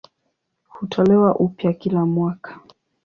Hutolewa upya kila mwaka.